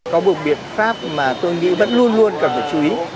có một biện pháp mà tôi nghĩ vẫn luôn luôn cần phải chú ý